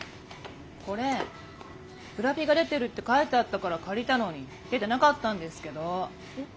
これブラピが出てるって書いてあったから借りたのに出てなかったんですけど。